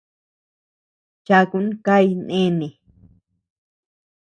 Chakun kay néne.